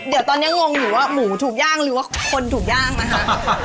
เดี๋ยวตอนนี้งงอยู่ว่าหมูถูกย่างหรือว่าคนถูกย่างนะคะ